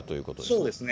そうですね。